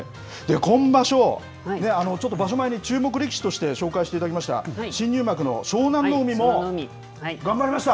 今場所、ちょっと場所前に注目力士として紹介していただきました、新入幕の湘南乃海も頑張りました。